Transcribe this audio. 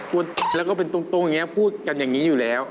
พูดแล้วก็เป็นตรงอย่างนี้พูดกันอย่างนี้อยู่แล้ว